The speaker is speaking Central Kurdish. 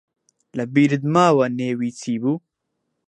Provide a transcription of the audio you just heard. لەبیرت ماوە نێوی چی بوو؟